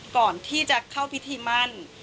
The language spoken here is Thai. ก่อนที่จะเข้าพิธีมั่น